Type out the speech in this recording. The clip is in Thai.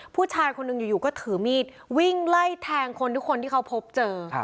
ผู้ชายคนหนึ่งอยู่ก็ถือมีดวิ่งไล่แทงคนทุกคนที่เขาพบเจอ